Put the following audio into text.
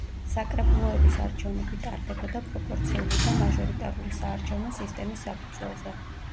საკრებულოების არჩევნები ტარდებოდა პროპორციული და მაჟორიტარული საარჩევნო სისტემის საფუძველზე.